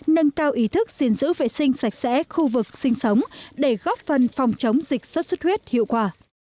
nâng cao ý thức xin giữ vệ sinh sạch sẽ khu vực sinh sống để góp phần phòng chống dịch xuất xuất huyết hiệu quả